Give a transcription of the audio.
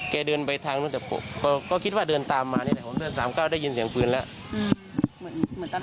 แกเดินไปทางนู้นแต่ก็ก็คิดว่าเดินตามมานี่แหละผมเดินสามเก้าได้ยินเสียงปืนแล้วอืม